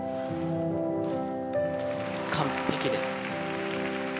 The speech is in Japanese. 完璧です。